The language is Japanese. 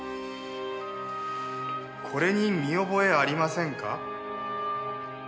これに見覚えありませんか？